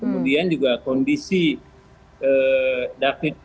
kemudian juga kondisi